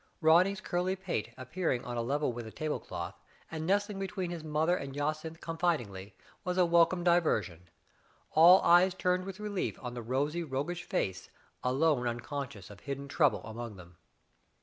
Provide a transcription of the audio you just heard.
Ronny's curly pate appearing on a level with the table cloth, and nestling between his mother and Jacynth confidingly, was a welcome diver sion. All eyes turned with relief on the rosy, roguish face, alone unconscious of hidden trouble among them.